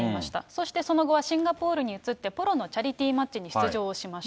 そしてその後はシンガポールに移って、ポロのチャリティーマッチに出場しました。